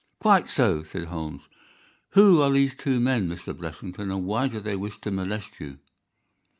"Quite so," said Holmes. "Who are these two men Mr. Blessington, and why do they wish to molest you?"